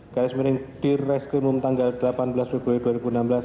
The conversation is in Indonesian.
garis miring di reskrimum tanggal delapan belas februari dua ribu enam belas